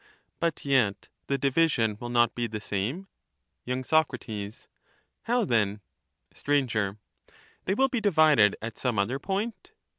But yet the division will not be the same ? Y. Soc. How then ? Str. They will be divided at some other point.